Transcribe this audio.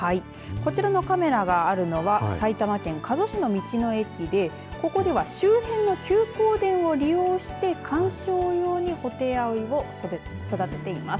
こちらのカメラがあるのは埼玉県加須市の道の駅でここでは周辺の休耕田を利用して観賞用にホテイアオイを育てています。